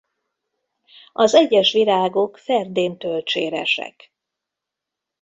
Az egyes virágok ferdén tölcséresek.